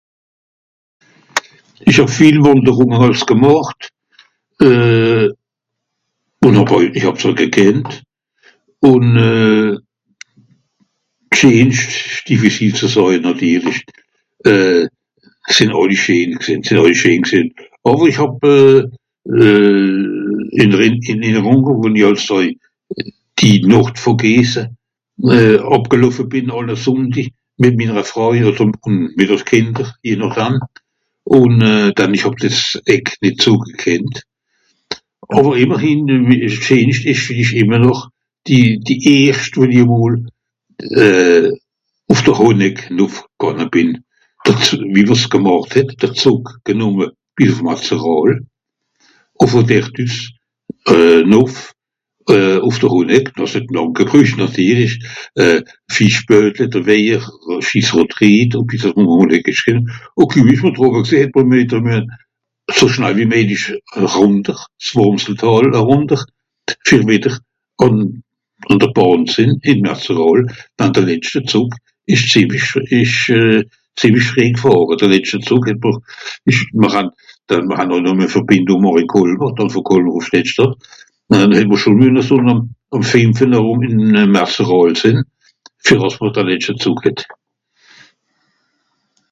Ìch hàb viel Wànderunge àls gemàcht. Euh... (...) ùn euh... d'scheenscht, difficile de sàje nàtirlich, euh... se sìnn àlli scheen gsìnn, sìnn àlli scheen gsìnn. Àwer ìch hàb euh... (...) die Nordvogese àbgeloffe bìn àlle Sùnndi mìt minere Fràui odder mìt de Kìnder, je nochdam, ùn dann ìch hàb dìs Eck (...). Àwer ìmmerhìn scheenscht ìsch ìmmer noch die, die erscht wenn i mol ùf de Honeck nùf gànge bìn. (...) wàs gemàcht het, d'r Zùg genùmme ìn Màtzeràl, ù vù dert üs nùf ùf de Honeck, dàs het làng gebrücht nàtirlich euh... (...) So schnall wie méjlich rùnter z'Màtzertàl erùnter, fer wìdder àn, àn de Bàhn z'sìnn ìn Màtzeràl, dann de letschter Zùg ìsch zìemlich... ìsch zìemlich frieh gfàhre. De letschte Zùg het m'r...ìsch... mr han... mr han nùmme Verbìndung màche ìn Kolmer, dànn vù Kolmer ùf Schlettschtàtt, hàn mr schon müen àm fìmfe (...) ìn Metzeràl sìnn, fer àss mr de letschte Zùg (...).